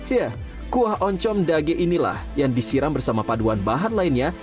ya kuah oncom dage inilah yang disiram bersama paduan bahan lainnya